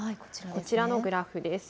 こちらのグラフです。